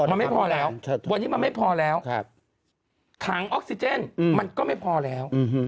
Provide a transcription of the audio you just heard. มันไม่พอแล้ววันนี้มันไม่พอแล้วถังออกซิเจนมันก็ไม่พอแล้ว